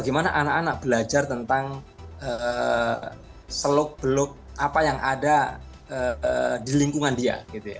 gimana anak anak belajar tentang seluk beluk apa yang ada di lingkungan dia